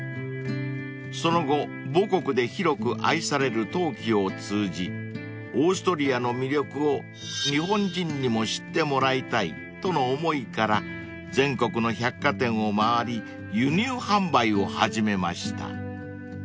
［その後母国で広く愛される陶器を通じオーストリアの魅力を日本人にも知ってもらいたいとの思いから全国の百貨店を回り輸入販売を始めました］